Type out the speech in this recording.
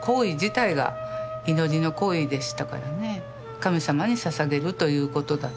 神様にささげるということだったので。